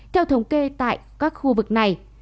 theo thống kê tại các khu vực này